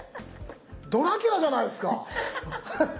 ドラキュラじゃないすか！